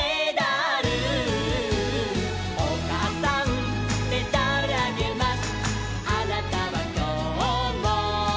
「レールさんメダルあげます」